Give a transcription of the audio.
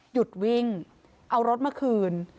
หยุดวิ่งเอารถมาคืน